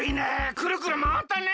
くるくるまわったね！